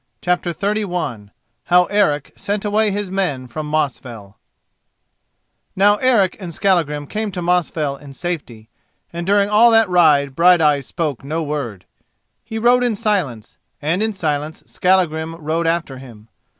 CHAPTER XXXI HOW ERIC SENT AWAY HIS MEN FROM MOSFELL Now Eric and Skallagrim came to Mosfell in safety, and during all that ride Brighteyes spoke no word. He rode in silence, and in silence Skallagrim rode after him.